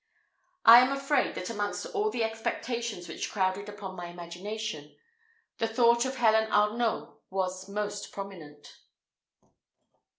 I am afraid, that amongst all the expectations which crowded upon my imagination, the thought of Helen Arnault was most prominent.